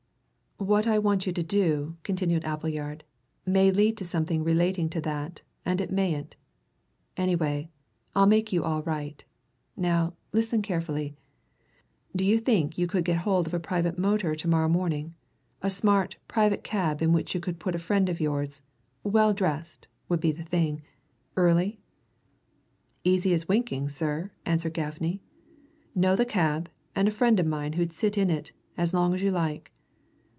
"What I want you to do," continued Appleyard, "may lead to something relating to that, and it mayn't. Anyway, I'll make you all right. Now, listen carefully. Do you think you could get hold of a private motor to morrow morning? A smart, private cab in which you could put a friend of yours well dressed would be the thing. Early." "Easy as winking, sir," answered Gaffney. "Know the cab, and know a friend o'mine who'd sit in it as long as you like."